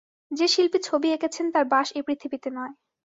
যে-শিল্পী ছবিটি একৈছেন তাঁর বাস এ পৃথিবীতে নয়।